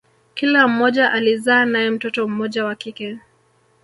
Kila mmoja alizaa nae mtoto mmoja wa kike